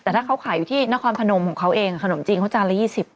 แต่ถ้าเค้าขายอยู่ที่นอคอนคนนมของเค้าเองคนมจีนเค้าจานละ๒๐